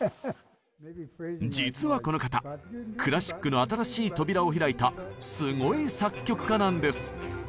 実はこの方クラシックの新しい扉を開いたすごい作曲家なんです！